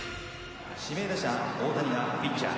指名打者大谷がピッチャー。